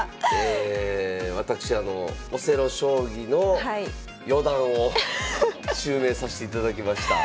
私オセロ将棋の四段を襲名させていただきました。